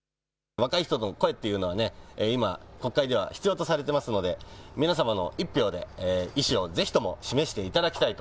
若い人の声っていうのはね、今国会では必要とされてますので、皆様の１票で意思をぜひとも示していただきたいと。